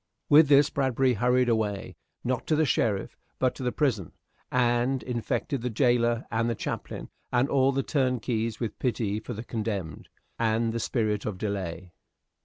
With this Bradbury hurried away, not to the sheriff, but to the prison, and infected the jailor and the chaplain and all the turnkeys, with pity for the condemned, and the spirit of delay.